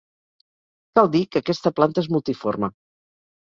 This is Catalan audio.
Cal dir que aquesta planta és multiforme.